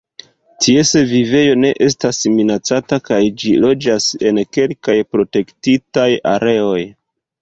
Ties vivejo ne estas minacata kaj ĝi loĝas en kelkaj protektitaj areoj.